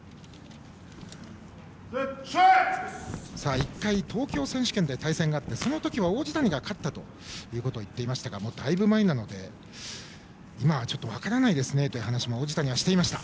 １回、東京選手権で対戦があってそのときは王子谷が勝ったといっていましたがだいぶ前なので今はちょっと分からないですねと王子谷は話していました。